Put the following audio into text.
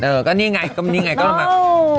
เออนี่ไงมีอะไรมีตรงแหละ